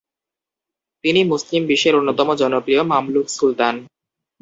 তিনি মুসলিম বিশ্বের অন্যতম জনপ্রিয় মামলুক সুলতান।